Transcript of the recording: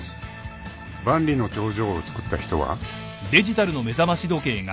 ［万里の長城を造った人は？］